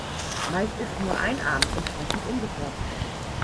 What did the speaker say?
Meist ist nur ein Arm entsprechend umgeformt.